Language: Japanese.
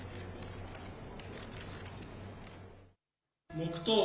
黙とう。